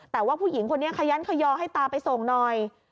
แต่ว่าผู้หญิงคนนี้ขยันขยอให้ตาไปส่งหน่อย